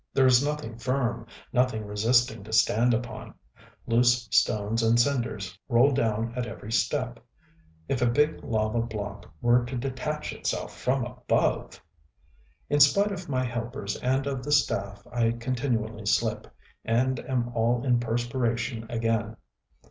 There is nothing firm, nothing resisting to stand upon: loose stones and cinders roll down at every step.... If a big lava block were to detach itself from above!... In spite of my helpers and of the staff, I continually slip, and am all in perspiration again.